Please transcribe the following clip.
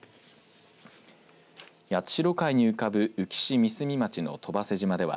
八代海に浮かぶ宇城市三角町の戸馳島では